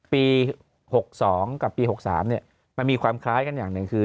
ปี๖๒กับปี๖๓มันมีความคล้ายกันอย่างหนึ่งคือ